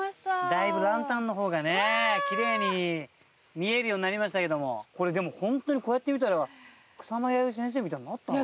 だいぶランタンの方がね奇麗に見えるようになりましたけどもホントにこうやって見たら草間彌生先生みたいになったな。